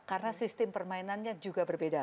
karena sistem permainannya juga berbeda